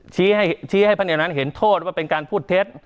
ชี้ให้ชี้ให้พระเท็จเห็นโทษว่าเป็นการพูดเท็จ